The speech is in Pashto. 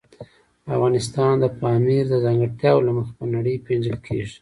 افغانستان د پامیر د ځانګړتیاوو له مخې په نړۍ پېژندل کېږي.